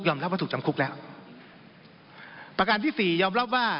รับว่าถูกจำคุกแล้วประการที่สี่ยอมรับว่า